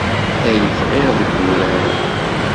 Ay bɣiɣ deg wurar-a.